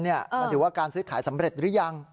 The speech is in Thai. มันถือว่าการซื้อขายสำเร็จหรือยัง